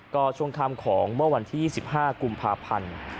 ก็ช่วงค่ำของเมื่อวันที่๒๕กุมภาพันธ์